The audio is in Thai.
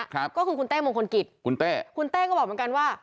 ก็คือคุณเต้มงคลกิจคุณเต้คุณเต้ก็บอกเหมือนกันว่า